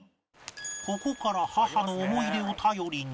ここから母の思い出を頼りに